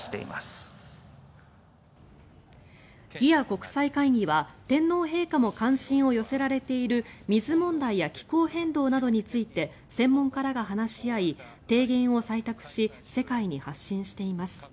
ＧＥＡ国際会議は天皇陛下も関心を寄せられている水問題や気候変動などについて専門家らが話し合い提言を採択し世界に発信しています。